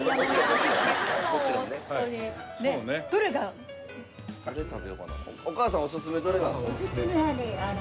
お母さんオススメどれがあるの？